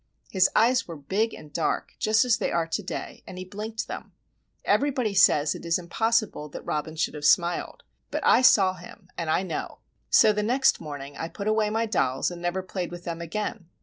His eyes were big and dark, just as they are to day, and he blinked them. Everybody says it is impossible that Robin should have smiled; but I saw him, and I know. So the next morning, I put away my dolls, and never played with them again.